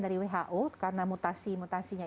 dari who karena mutasi mutasinya